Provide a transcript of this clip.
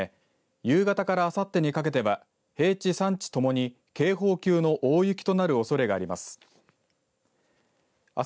夕方からあさってにかけては平地山地ともに警報級の大雪となるおそれがあります。